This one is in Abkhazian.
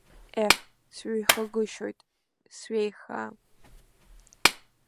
Еҳ, сҩеихагәышьоит, сҩеиха…